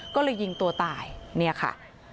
ก็เลยยิงตัวตายเนี่ยค่ะ